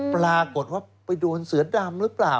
ปรากฏว่าไปโดนเสือดำหรือเปล่า